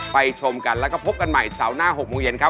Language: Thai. ชมกันแล้วก็พบกันใหม่เสาร์หน้า๖โมงเย็นครับ